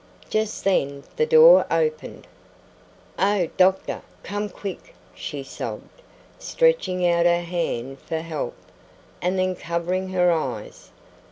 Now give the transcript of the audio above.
Just then the door opened. "Oh, doctor! Come quick!" she sobbed, stretching out her hand for help, and then covering her eyes.